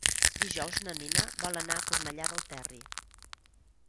Dijous na Nina vol anar a Cornellà del Terri.